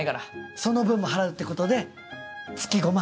その分も払うってことで月５万。